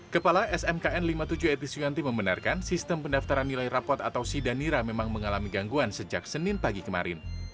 kepala smkn lima puluh tujuh ethi suyanti membenarkan sistem pendaftaran nilai rapot atau sidanira memang mengalami gangguan sejak senin pagi kemarin